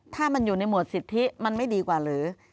ถ้ามันอยู่ในหมวดสิทธิมันไม่ดีกว่าหรือ